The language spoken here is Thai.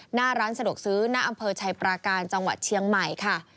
หน้าร้านสะดวกซื้อหน้าอำเภอชัยปราการจังหวัดเชียงใหม่ค่ะ